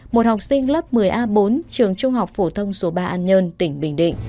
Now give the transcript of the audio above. một học sinh lớp một mươi a bốn trường trung học phổ thông số ba an nhơn tỉnh bình định